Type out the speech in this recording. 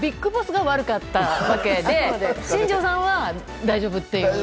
ＢＩＧＢＯＳＳが悪かったわけで新庄さんは大丈夫という。